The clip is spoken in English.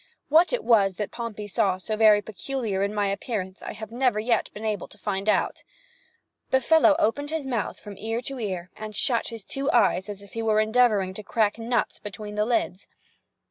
What it was that Pompey saw so very peculiar in my appearance I have never yet been able to find out. The fellow opened his mouth from ear to ear, and shut his two eyes as if he were endeavoring to crack nuts between the lids.